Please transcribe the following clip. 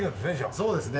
そうですね。